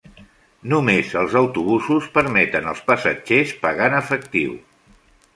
Només els autobusos permeten als passatgers pagar en efectiu.